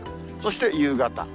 そして、夕方。